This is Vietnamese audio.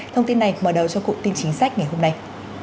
thông tin này mở đầu cho cụm tin chính sách ngày hôm nay